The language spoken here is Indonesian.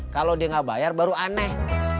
kalau dia nggak bayar baru aneh